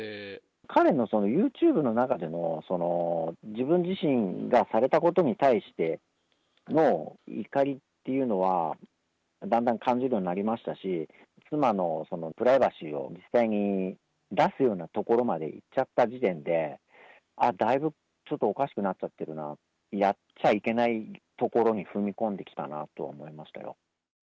彼のユーチューブの中での自分自身がされたことに対しての怒りっていうのは、だんだん感じるようになりましたし、妻のプライバシーを実際に出すようなところまでいっちゃった時点で、あっ、だいぶ、ちょっとおかしくなっちゃってるな、やっちゃいけないところに踏み込んできたなと思いましたよ。